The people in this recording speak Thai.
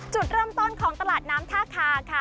จุดเริ่มต้นของตลาดน้ำท่าคาค่ะ